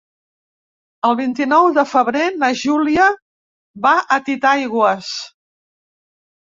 El vint-i-nou de febrer na Júlia va a Titaigües.